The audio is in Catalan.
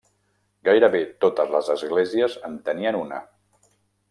Gairebé totes les esglésies en tenien una.